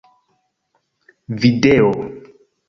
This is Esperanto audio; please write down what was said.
video